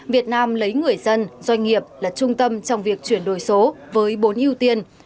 việt nam lấy người dân doanh nghiệp là trung tâm trong việc chuyển đổi số với bốn ưu tiên